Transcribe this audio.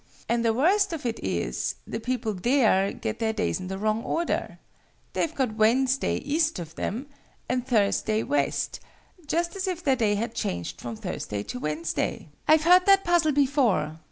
And the worst of it is, the people there get their days in the wrong order: they've got Wednesday east of them, and Thursday west just as if their day had changed from Thursday to Wednesday!" "I've heard that puzzle before!"